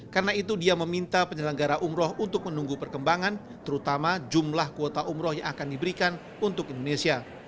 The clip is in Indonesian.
karena itu dia meminta penyelenggara umroh untuk menunggu perkembangan terutama jumlah kuota umroh yang akan diberikan untuk indonesia